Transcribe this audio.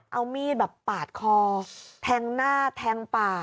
เอามีดแบบปาดคอแทงหน้าแทงป่า